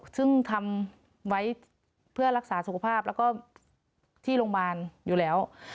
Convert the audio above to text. ซึ่งทำไว้เพื่อรักษาสุขภาพแล้วก็ที่โรงพยาบาลอยู่แล้ว